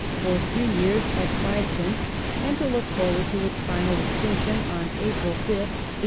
for three years at 5d. — and to look forward to its final extinction on April 5th, 1860.